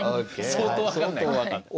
相当わかんない。